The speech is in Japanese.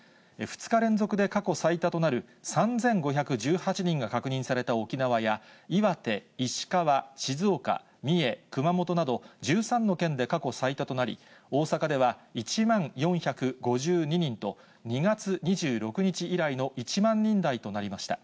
２日連続で過去最多となる３５１８人が確認された沖縄や、岩手、石川、静岡、三重、熊本など１３の県で過去最多となり、大阪では１万４５２人と、２月２６日以来の１万人台となりました。